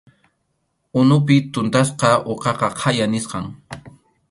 Unupi tuntasqa uqaqa khaya nisqam.